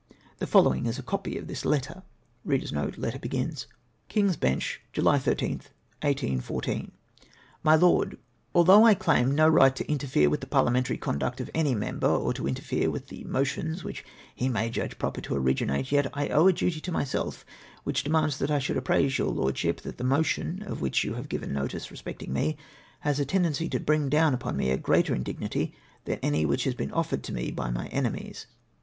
The following is a copy of this letter: — 384 LETTER TO LORD EBRINGTON. '' King's Bench, July 13th, 1814. " My Lord, — Although I claim no right to interfere with the Parliamentary conduct of any member, or to interfere with the motions which he may judge proper to originate, yet I owe a duty to myself which demands that I should apprise your Lordship that the motion of which you have given notice respecting me, has a tendency to bring down upon me a greater indignity than any which has been offered to me by my enemies.